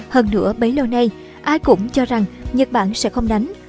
hơn nửa bấy lâu nay ai cũng cho rằng nhật bản sẽ không đánh